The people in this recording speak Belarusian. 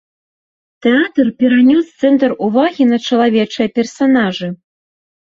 Тэатр перанёс цэнтр увагі на чалавечыя персанажы.